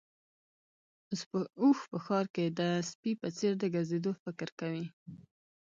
اوښ په ښار کې د سپي په څېر د ګرځېدو فکر کوي.